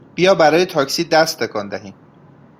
بیا برای تاکسی دست تکان دهیم!